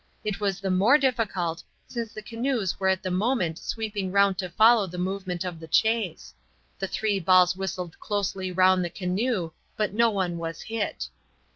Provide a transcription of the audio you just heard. It was the more difficult since the canoes were at the moment sweeping round to follow the movement of the chase. The three balls whistled closely round the canoe, but no one was hit.